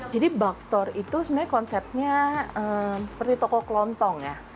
jadi bulk store itu sebenarnya konsepnya seperti toko kelontong ya